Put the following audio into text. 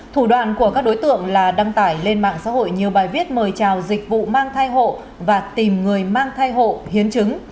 thủ đoạn của các đối tượng là đăng tải lên mạng xã hội nhiều bài viết mời chào dịch vụ mang thai hộ và tìm người mang thai hộ hiến chứng